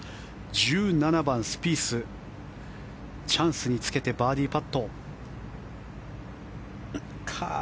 １７番、スピースチャンスにつけてバーディーパット。